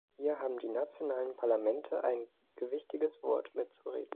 Hier haben die nationalen Parlamente ein gewichtiges Wort mitzureden.